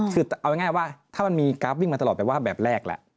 คือเอาง่ายว่าถ้ามันมีกราฟวิ่งมาตลอดแปลว่าแบบแรกแหละ